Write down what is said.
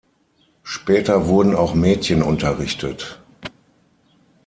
Später wurden auch Mädchen unterrichtet.